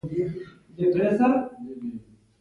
د افغانستان د جهاد سیاسي نمايندګي د پاکستان حق وو.